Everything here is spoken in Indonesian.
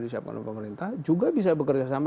disiapkan oleh pemerintah juga bisa bekerja sama